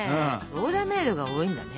オーダーメードが多いんだね。